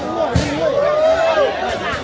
สวัสดีครับทุกคน